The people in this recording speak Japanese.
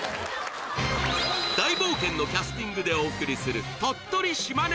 大冒険のキャスティングでお送りする鳥取・島根